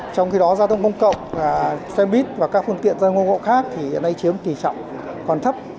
trong khi đó giao thông công cộng xe buýt và các phương tiện giao thông công cộng khác thì hiện nay chiếm kỳ trọng còn thấp